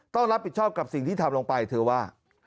ต้องรับผิดชอบกับสิ่งที่ทำลงไปเธอว่า